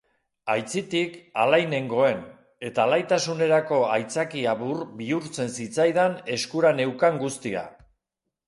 Aitzitik, alai nengoen, eta alaitasunerako aitzakia bihurtzen zitzaidan eskura neukan guztia.